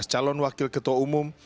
lima belas calon wakil ketua umum